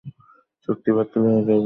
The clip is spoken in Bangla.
চুক্তি বাতিল হয়ে যাবে।